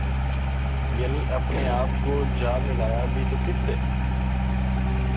یعنی اپنے آپ کو جا ملایا بھی تو کس سے۔